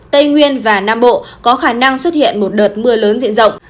tây nguyên và nam bộ có khả năng xuất hiện một đợt mưa lớn diện rộng